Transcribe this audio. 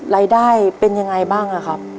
รายได้เป็นยังไงบ้างอะครับ